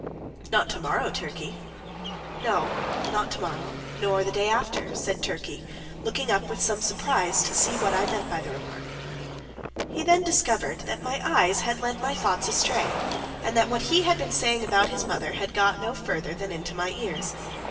"Not to morrow, Turkey." "No, not to morrow, nor the day after," said Turkey, looking up with some surprise to see what I meant by the remark. He then discovered that my eyes had led my thoughts astray, and that what he had been saying about his mother had got no farther than into my ears.